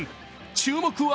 注目は